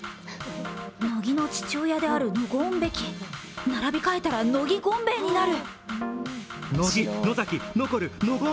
乃木の父親であるノゴーン・ベキ、並び替えたら乃木権兵衛になる。